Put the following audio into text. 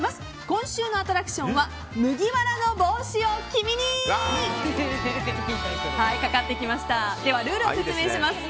今週のアトラクションは麦わらの帽子を君に！ではルールを説明します。